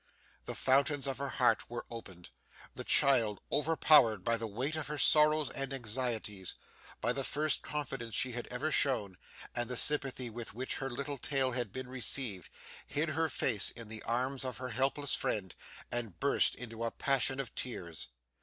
The fountains of her heart were opened; the child, overpowered by the weight of her sorrows and anxieties, by the first confidence she had ever shown, and the sympathy with which her little tale had been received, hid her face in the arms of her helpless friend, and burst into a passion of tears.